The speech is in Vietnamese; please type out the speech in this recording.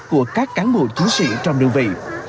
của các cán bộ chiến sĩ trong đơn vị